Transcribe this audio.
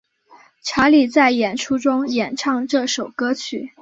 查理在演出中演唱这首歌曲。